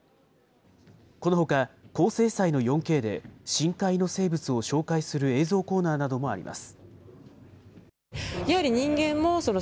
このほか、高精細の４Ｋで、深海の生物を紹介する映像コーナーなどもあります。